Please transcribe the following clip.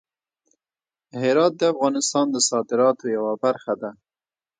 هرات د افغانستان د صادراتو یوه برخه ده.